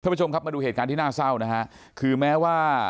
ท่าประจงมาดูเหตุการณ์ที่หน้าเช้านะคือแม้ว่า